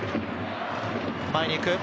前に行く。